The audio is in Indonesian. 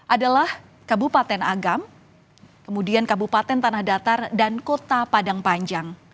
adalah kabupaten agam kemudian kabupaten tanah datar dan kota padang panjang